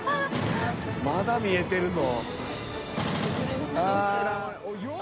まだ見えてるぞ。